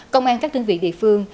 công an các đơn vị địa phương